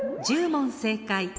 １０問正解。